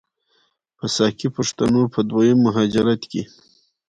چې ساکي پښتنو په دویم مهاجرت کې،